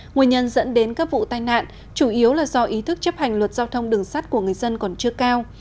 nguyên nhân dẫn đến các vụ tai nạn chủ yếu là do ý thức chấp hành luật giao thông đường sắt của người dân còn chưa cao